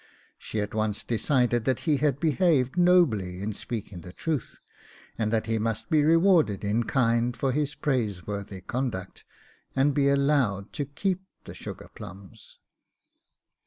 She at once decided that he had behaved Nobly in speaking the truth, and that he must be rewarded in kind for his praiseworthy conduct, and be allowed to keep the sugar plums!